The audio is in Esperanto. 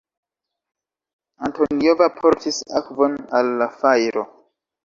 Antoniova portis akvon al la fajro.